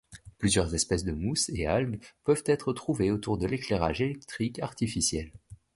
Plusieurs espèces de mousses et algues peuvent être trouvées autour de l'éclairage électrique artificiel.